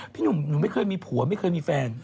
พี่หนุ่มหนูไม่เคยมีผัวไม่เคยมีแฟน